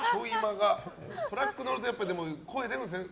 トラックに乗ると声、出るんですね。